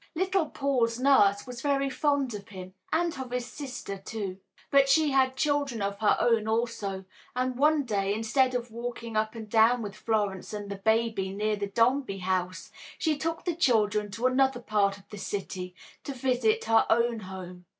Little Paul's nurse was very fond of him, and of his sister, too; but she had children of her own also, and one day, instead of walking up and down with Florence and the baby near the Dombey house, she took the children to another part of the city to visit her own home.